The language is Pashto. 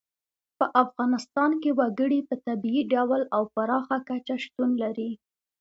په افغانستان کې وګړي په طبیعي ډول او پراخه کچه شتون لري.